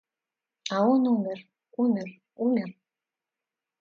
А он умер, умер, умер...